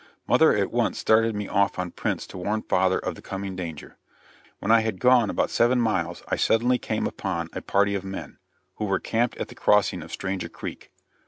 Mother at once started me off on Prince to warn father of the coming danger. When I had gone about seven miles I suddenly came upon a party of men, who were camped at the crossing of Stranger Creek.